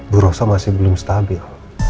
bu rosa masih belum stabil